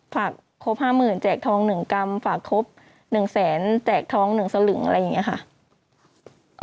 ฝากครบ๕๐๐๐๐แจกทองหนึ่งกรรมฝากครบ๑๑๐๐๐๐๐แจกทองหนึ่งสลึงอะไรอย่างเงี้ยค่ะ